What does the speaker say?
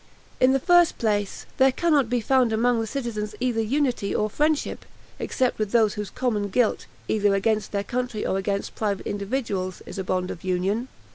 In the first place, there cannot be found among the citizens either unity or friendship, except with those whose common guilt, either against their country or against private individuals, is a bond of union.